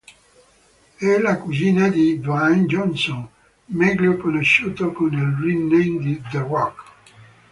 È la cugina di Dwayne Johnson, meglio conosciuto con il ring-name di The Rock.